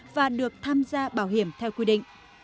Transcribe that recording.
và được tham gia bảo hiểm theo quy định